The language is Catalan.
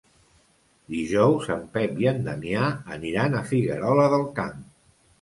Dijous en Pep i en Damià aniran a Figuerola del Camp.